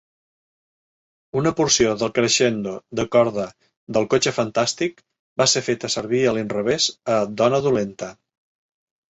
Una porció del crescendo de corda de "El cotxe fantàstic" va ser feta servir a l'inrevés a "Dona dolenta".